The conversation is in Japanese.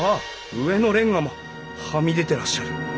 上のレンガもはみ出てらっしゃる。